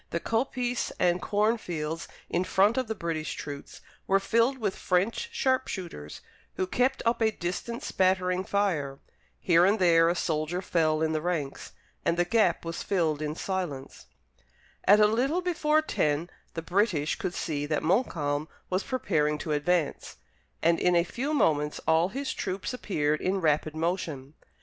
The coppice and corn fields in front of the British troops were filled with French sharp shooters, who kept up a distant spattering fire. Here and there a soldier fell in the ranks, and the gap was filled in silence. At a little before ten the British could see that Montcalm was preparing to advance, and in a few moments all his troops appeared in rapid motion.